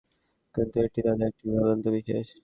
কিন্তু এটি তাদের একটি ভ্রান্তি বিশেষ।